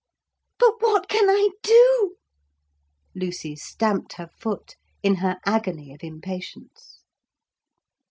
'But what can I do?' Lucy stamped her foot in her agony of impatience.